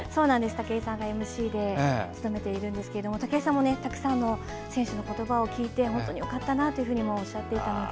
武井さんがＭＣを務めているんですけど武井さんもたくさんの選手の言葉を聞いて本当によかったなというふうにおっしゃっていたので